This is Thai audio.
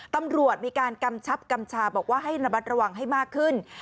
ตำรวจมีการกำชับกำชาบอกว่าให้ระมัดระวังให้มากขึ้น